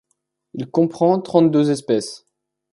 Il comprend trente-deux espèces.